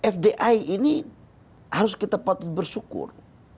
fdi ini harus kita patut bersyukur